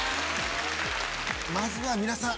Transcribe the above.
まずは皆さん